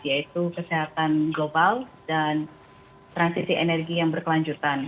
yaitu kesehatan global dan transisi energi yang berkelanjutan